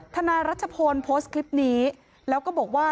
นายรัชพลโพสต์คลิปนี้แล้วก็บอกว่า